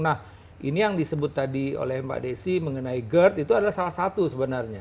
nah ini yang disebut tadi oleh mbak desi mengenai gerd itu adalah salah satu sebenarnya